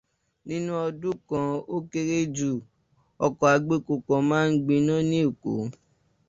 Nínú ọdún kan, ó kéré jù ọkọ̀ agbépo kan máa gbiná ní Èkó.